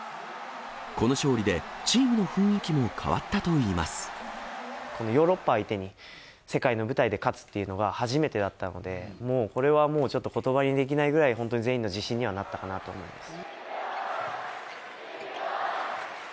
この勝利でチームの雰囲気も変わこのヨーロッパ相手に、世界の舞台で勝つっていうのが初めてだったので、もう、これはもう、ちょっとことばにできないぐらい、本当に全員の自信にはなったかなと思います。